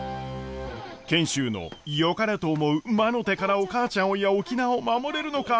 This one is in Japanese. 賢秀のよかれと思う魔の手からお母ちゃんをいや沖縄を守れるのか。